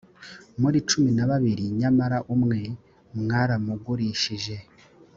muri cumi na babiri nyamara umwe mwaramugurishije